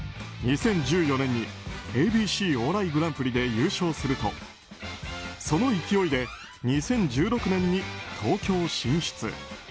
２０１４年にＡＢＣお笑いグランプリで優勝するとその勢いで２０１６年に東京進出。